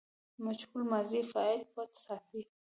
مجهول ماضي فاعل پټ ساتي.